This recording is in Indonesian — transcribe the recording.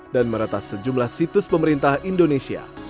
dan meretas sejumlah situs pemerintah indonesia